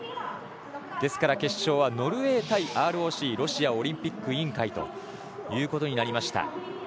ですから、決勝はノルウェー対ＲＯＣ＝ロシアオリンピック委員会ということになりました。